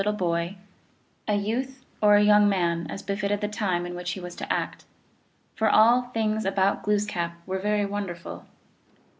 31 tie boy, a youth or a young man, as befitted the time in which he was to act ; for all things about Glooskap were very wonderful.